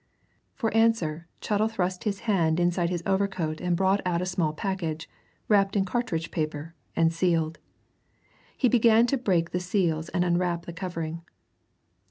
For answer Chettle thrust his hand inside his overcoat and brought out a small package, wrapped in cartridge paper, and sealed. He began to break the seals and unwrap the covering.